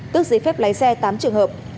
tức giấy phép lái xe tám trường hợp